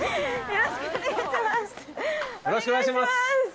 よろしくお願いします。